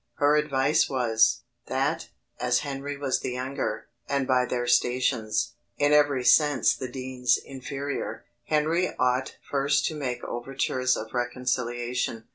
Her advice was, "That, as Henry was the younger, and by their stations, in every sense the dean's inferior, Henry ought first to make overtures of reconciliation."